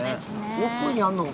奥にあるのは。